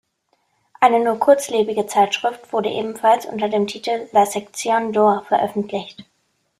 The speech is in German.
Eine nur kurzlebige Zeitschrift wurde ebenfalls unter dem Titel "La Section d’Or" veröffentlicht.